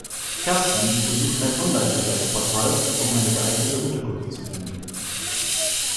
Kerstin besuchte ein Online-Vergleichsportal, um eine geeignete Unterkunft zu finden.